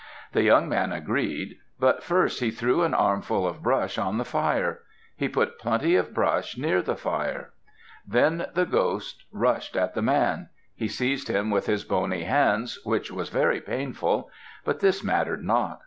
The young man agreed. But first he threw an armful of brush on the fire. He put plenty of brush near the fire. Then the ghost rushed at the man. He seized him with his bony hands, which was very painful; but this mattered not.